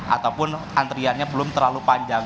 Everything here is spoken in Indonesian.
ataupun antriannya belum terlalu panjang